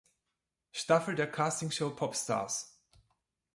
Staffel der Castingshow Popstars.